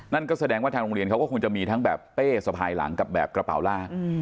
นั่นก็แสดงว่าทางโรงเรียนเขาก็คงจะมีทั้งแบบเป้สะพายหลังกับแบบกระเป๋าลาก